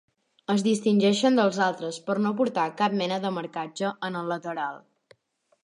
Es distingeixen dels altres per no portar cap mena de marcatge en el lateral.